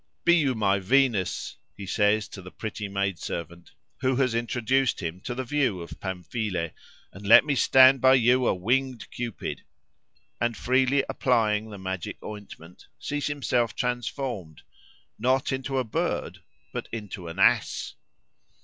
"Be you my Venus," he says to the pretty maid servant who has introduced him to the view of Pamphile, "and let me stand by you a winged Cupid!" and, freely applying the magic ointment, sees himself transformed, "not into a bird, but into an ass!"